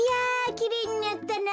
きれいになったな。